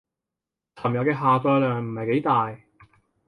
尋日嘅下載量唔係幾大